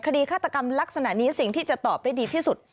ฆาตกรรมลักษณะนี้สิ่งที่จะตอบได้ดีที่สุด